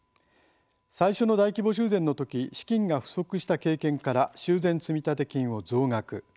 最初の大規模修繕の時資金が不足した経験から修繕積立金を増額。